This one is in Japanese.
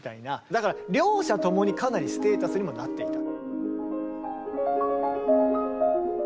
だから両者共にかなりステータスにもなっていた。